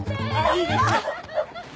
いいですね！